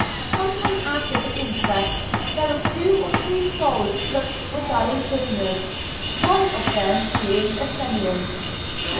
Some time after the inquest there were two or three soles cooked for dying prisoners, one of them being a Fenian.